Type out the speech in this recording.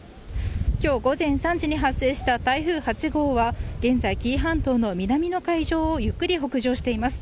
今日午前３時に発生した台風８号は、現在紀伊半島の南の海上をゆっくり北上しています。